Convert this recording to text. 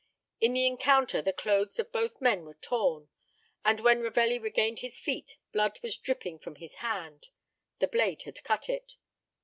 In the encounter the clothes of both men were torn, and when Ravelli regained his feet blood was dripping from his hand. The blade had cut it.